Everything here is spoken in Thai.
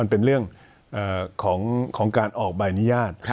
เป็นเรื่องของการออกใบอนุญาต